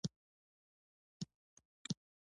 برده ګان باید یوازې منونکي اوسي.